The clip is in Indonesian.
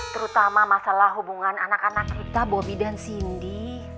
terutama masalah hubungan anak anak kita bobby dan cindy